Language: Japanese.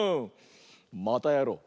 またやろう！